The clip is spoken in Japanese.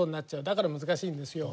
だから難しいんですよ。